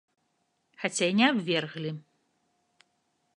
Хаця і не абверглі.